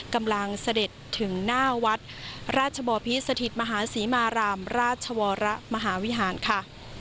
กำลังเสด็จถึงหน้าวัดราชบอภิตรสถิตรมหาศรีมารามราชวรวิหารค่ะ